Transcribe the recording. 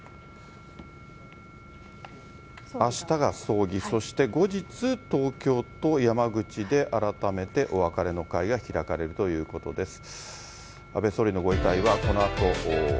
あしたが葬儀、そして後日、東京と山口で改めてお別れの会が開かれるということです。